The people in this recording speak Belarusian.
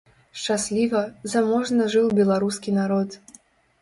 Шчасліва, заможна жыў беларускі народ!